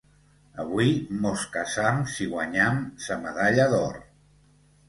Avui mos casam si guanyam sa medalla d'or.